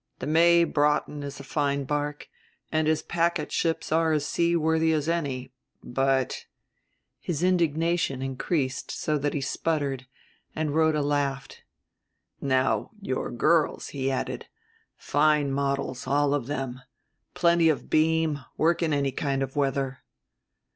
The May Broughton is a fine barque, and his packet ships are as seaworthy as any, but " his indignation increased so that he sputtered, and Rhoda laughed. "Now your girls," he added, "fine models, all of them, plenty of beam, work in any kind of weather."